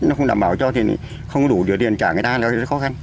nó không đảm bảo cho thì không đủ đủ tiền trả người ta là khó khăn